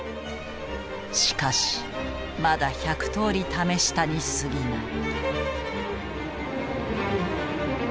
しかしまだ１００とおり試したにすぎない。